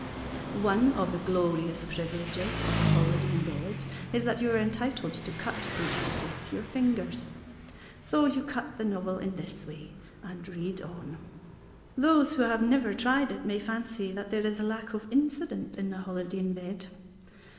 One of the glorious privileges of a holiday in bed is that you are entitled to cut books with your fingers. So you cut the novel in this way, and read on. Those who have never tried it may fancy that there is a lack of incident in a holiday in bed.